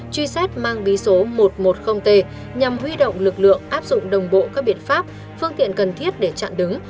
truy xét mang bí số một trăm một mươi t nhằm huy động lực lượng áp dụng đồng bộ các biện pháp phương tiện cần thiết để chặn đứng